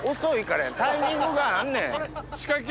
タイミングがあんねん！